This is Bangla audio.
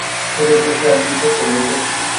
এ বয়সে কি আর বিপদকে ভয় করি।